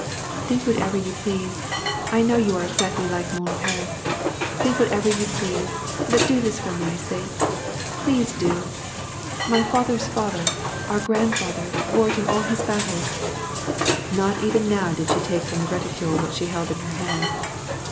" Think whatever you please, — I know that you are exactly like vwn pere^ — think whatever 3'ou i»Ioase, but do this for my sake. Please do ! My father's fatlier, our grandfather, wore it in all his battles." Not even now did she take from the reticule what she held in her hand.